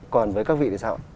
còn với các vị thì sao